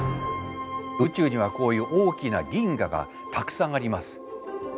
宇宙にはこういう大きな銀河がたくさんあります。